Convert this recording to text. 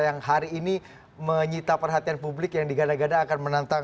yang hari ini menyita perhatian publik yang digada gada akan membahasnya